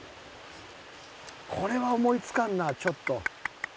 これは思い付かんなちょっと。